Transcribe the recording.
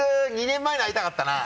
２年前に会いたかったな。